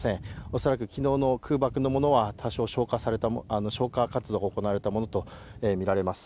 恐らく昨日の空爆のものは多少、消火活動が行われたものとみられます。